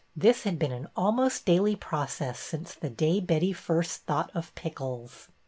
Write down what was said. This had been an almost daily process since the day Betty first thought of pickles.